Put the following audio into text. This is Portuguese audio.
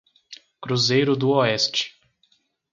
Cruzeiro do Oeste